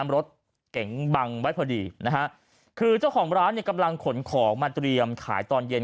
รถเก๋งบังไว้พอดีนะฮะคือเจ้าของร้านเนี่ยกำลังขนของมาเตรียมขายตอนเย็น